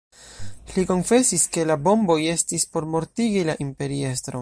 Li konfesis, ke la bomboj estis por mortigi la imperiestron.